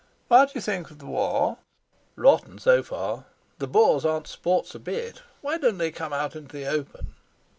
What do you think of the war?" "Rotten, so far. The Boers aren't sports a bit. Why don't they come out into the open?"